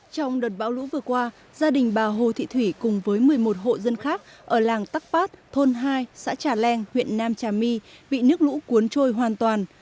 trong đợt bão lũ vừa qua gia đình bà hồ thị thủy cùng với một mươi một hộ dân khác ở làng tắc phát thôn hai xã trà leng huyện nam trà my bị nước lũ cuốn trôi hoàn toàn